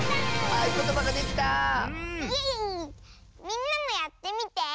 みんなもやってみて。